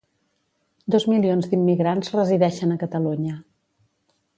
Dos milions d'immigrants resideixen a Catalunya.